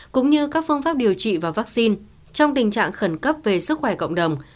cũng như các phương pháp điều trị và vaccine trong tình trạng khẩn cấp về sức khỏe cộng đồng